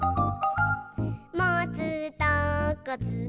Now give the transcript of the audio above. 「もつとこつけて」